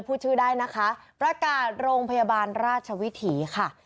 พูดชื่อได้นะคะประกาศโรงพยาบาลราชวิถีค่ะ